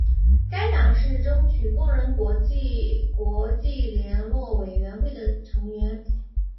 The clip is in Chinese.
该党是争取工人国际国际联络委员会的成员。